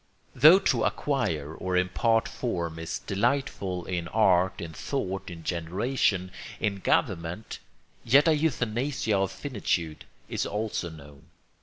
Though to acquire or impart form is delightful in art, in thought, in generation, in government, yet a euthanasia of finitude is also known.